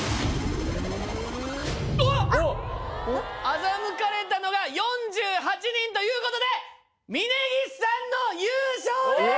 欺かれたのが４８人ということで峯岸さんの優勝です！